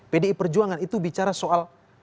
pdi perjuangan itu bicara soal